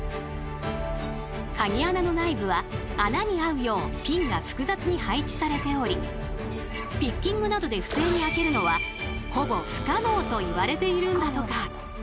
カギ穴の内部は穴に合うようピンが複雑に配置されておりピッキングなどで不正に開けるのはほぼ不可能といわれているんだとか。